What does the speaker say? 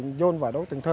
những đ makes